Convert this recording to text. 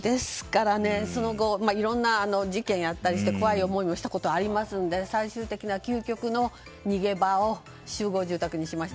その後、いろんな事件があったりして怖い思いをしたこともありますので最終的な究極の逃げ場を集合住宅にしました。